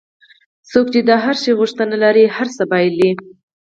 څوک چې د هر شي غوښتنه لري هر څه بایلي.